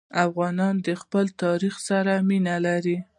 افغانان د خپل تاریخ سره مینه لري.